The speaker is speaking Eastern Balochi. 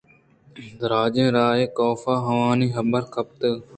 درٛاجیں راہ ئےکاف ءَ آوانی حبر گپت